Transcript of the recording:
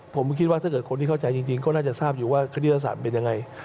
ผมคิดว่าถ้าเกิดคนที่เข้าใจจริงก็น่าจะทราบอยู่ว่าคณิตศาสตร์เป็นยังไง